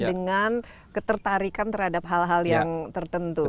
dengan ketertarikan terhadap hal hal yang tertentu